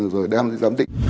rồi đem ra giám định